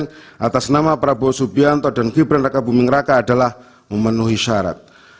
yang atas nama prabowo subianto dan gibran raka buming raka adalah memenuhi syarat